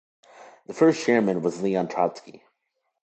The first Chairman was Leon Trotsky.